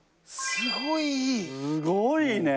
すごいね！